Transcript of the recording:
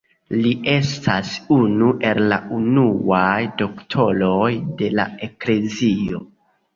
Li estas unu el la unuaj Doktoroj de la Eklezio.